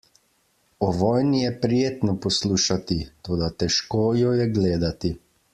O vojni je prijetno poslušati, toda težko jo je gledati.